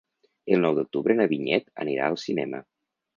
El nou d'octubre na Vinyet anirà al cinema.